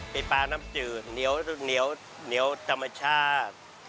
เป็นปลาน้ำจืดเหนียวธรรมชาติ